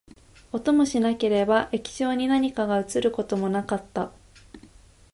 音もしなければ、液晶に何かが写ることもなかった